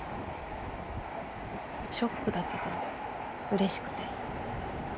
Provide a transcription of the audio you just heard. ショックだけどうれしくて。